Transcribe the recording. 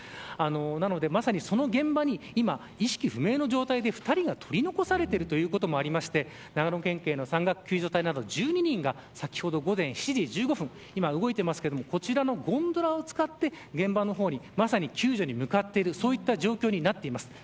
なので、まさにその現場に意識不明の状態で２人が取り残されているということもあって長野県警の山岳救助隊など１２人が先ほど、午前７時１５分今、動いてますけどこちらのゴンドラを使って現場の方にまさに救助に向かっているそういう状況になっています。